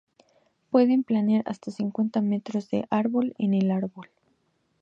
Pueden planear hasta cincuenta metros de árbol en árbol.